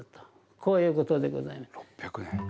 こういう事でございます。